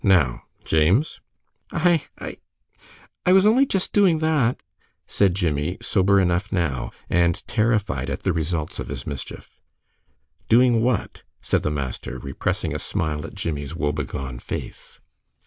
Now, James!" "I I I was only just doing that," said Jimmie, sober enough now, and terrified at the results of his mischief. "Doing what?" said the master, repressing a smile at Jimmie's woebegone face.